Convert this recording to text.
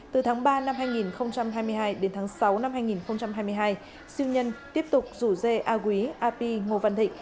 từ tháng ba năm hai nghìn hai mươi hai đến tháng sáu năm hai nghìn hai mươi hai siêu nhân tiếp tục rủ dê a quý a pi